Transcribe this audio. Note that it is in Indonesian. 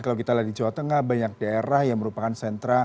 kalau kita lihat di jawa tengah banyak daerah yang merupakan daerah yang berlebihan